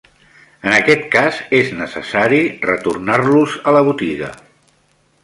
En aquest cas és necessari retornar-los a la botiga.